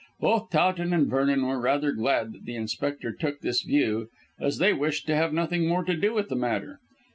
Both Towton and Vernon were rather glad that the Inspector took this view, as they wished to have nothing more to do with the matter.